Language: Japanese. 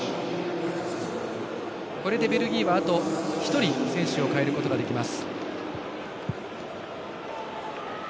これでベルギーは、あと一人選手を代えることができます。